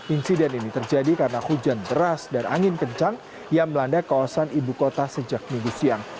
insiden ini terjadi karena hujan deras dan angin kencang yang melanda kawasan ibu kota sejak minggu siang